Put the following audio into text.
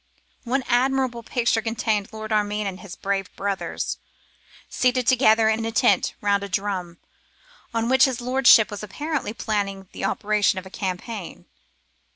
One admirable picture contained Lord Armine and his brave brothers, seated together in a tent round a drum, on which his lordship was apparently planning the operations of the campaign.